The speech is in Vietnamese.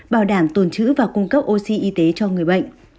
bảo đảm tồn chữ và cung cấp oxy y tế cho người bệnh